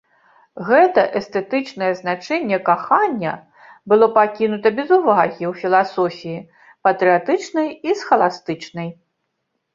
Гэта эстэтычнае значэнне кахання было пакінута без увагі ў філасофіі патрыятычнай і схаластычнай.